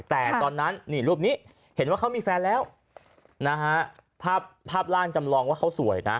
แต่ตอนนั้นนี่รูปนี้เห็นว่าเขามีแฟนแล้วนะฮะภาพภาพร่างจำลองว่าเขาสวยนะ